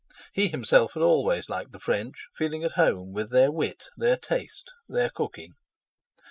He himself had always liked the French, feeling at home with their wit, their taste, their cooking.